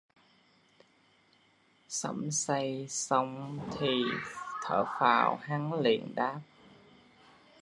Xẩm Say xong thì thở phào hắn liền đáp